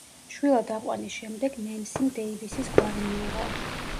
შვილად აყვანის შემდეგ ნენსიმ დეივისის გვარი მიიღო.